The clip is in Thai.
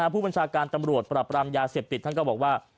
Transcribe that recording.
ผู้บัญชาการตำรวจปรับรามยาเสพติดท่านก็บอกว่า